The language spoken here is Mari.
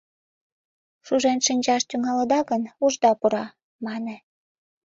«Шужен шинчаш тӱҥалыда гын, ушда пура» мане.